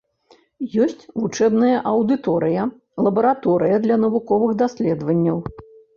Ёсць вучэбная аўдыторыя, лабараторыя для навуковых даследаванняў.